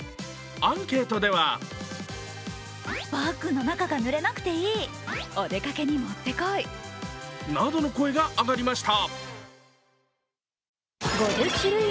アンケートではなどの声が上がりました。